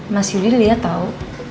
mas yuli liat tau